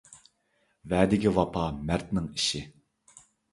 ۋەدىگە ۋاپا – مەردنىڭ ئىشى.